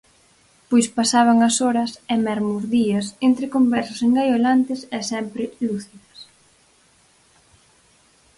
Pois pasaban as horas, e mesmo os días, entre conversas engaiolantes e sempre lúcidas.